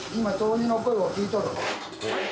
はい？